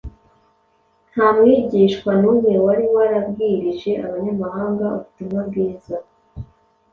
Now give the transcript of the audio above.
Nta mwigishwa n’umwe wari warabwirije abanyamahanga ubutumwa bwiza.